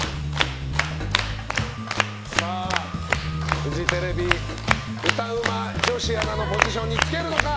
フジテレビ歌うま女子アナのポジションにつけるのか。